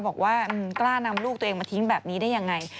บอกว่ากล้านำลูกตัวเองมาทิ้งแบบนี้ได้ยังไง